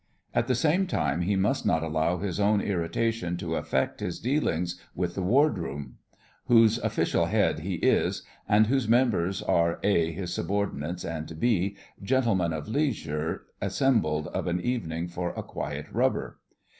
At the same time he must not allow his own irritation to affect his dealings with the Wardroom, whose official head he is, and whose members are (a) his subordinates, and (b) gentlemen of leisure assembled of an evening for a quiet rubber.